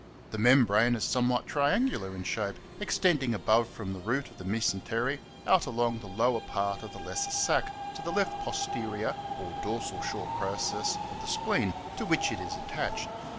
The membrane is some what triangular in shape, extending above from the root of the mesentery out along the lower part of the lesser sac to the left posterior or dorsal short process of the spleen, to which it is attached.